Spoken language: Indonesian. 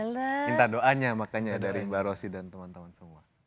minta doanya makanya dari mbak rosy dan teman teman semua